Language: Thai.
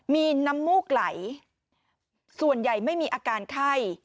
มีน้ำมูกไหลส่วนใหญ่ไม่มีอาการไข้